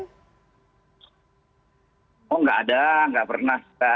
oh tidak ada tidak pernah